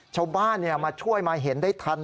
ชาวบ้านมาช่วยมาเห็นได้ทัน